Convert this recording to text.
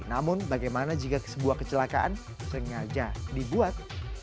namun bagaimana jika sebuah kecelakaan sengaja dibuat